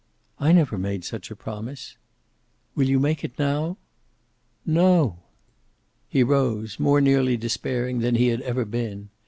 "I never made such a promise." "Will you make it now?" "No!" He rose, more nearly despairing than he had ever been.